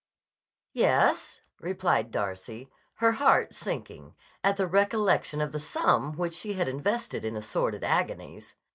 "Yes," replied Darcy, her heart sinking, at the recollection of the sum which she had invested in assorted agonies.